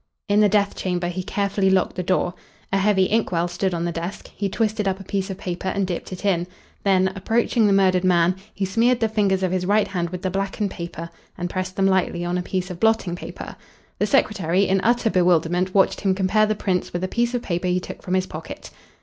In the death chamber he carefully locked the door. A heavy ink well stood on the desk. He twisted up a piece of paper and dipped it in. Then, approaching the murdered man, he smeared the fingers of his right hand with the blackened paper and pressed them lightly on a piece of blotting paper. The secretary, in utter bewilderment, watched him compare the prints with a piece of paper he took from his pocket.